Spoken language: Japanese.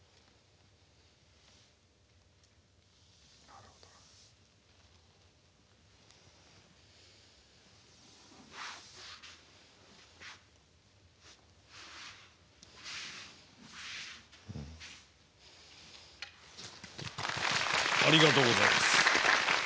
ありがとうございます。